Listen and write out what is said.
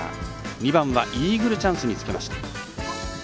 ２番はイーグルチャンスにつけました。